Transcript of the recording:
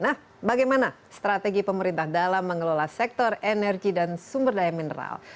nah bagaimana strategi pemerintah dalam mengelola sektor energi dan sumber daya mineral